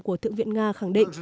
của thượng viện nga khẳng định